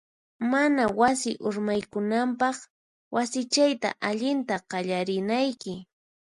Mana wasi urmaykunanpaq, wasichayta allinta qallarinayki.